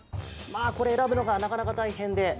まあこれ選ぶのがなかなかたいへんで。